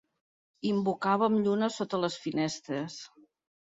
Invocàvem llunes sota les finestres.